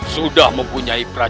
sudah mempunyai peran